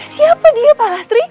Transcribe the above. siapa dia pak lastri